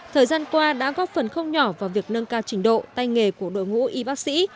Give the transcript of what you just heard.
thời gian qua đã góp phần không nhỏ vào việc nâng cao trình độ tay nghề của đội ngũ y bác sĩ